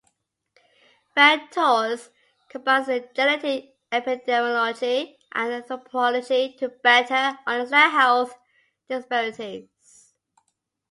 Benn Torres combines genetic epidemiology and anthropology to better understand health disparities.